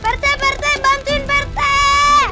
pertek pertek bantuin pertek